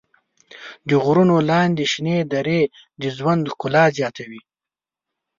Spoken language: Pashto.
د غرونو لاندې شنې درې د ژوند ښکلا زیاتوي.